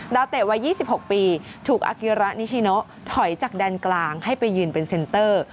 เตะวัย๒๖ปีถูกอากิระนิชิโนถอยจากแดนกลางให้ไปยืนเป็นเซ็นเตอร์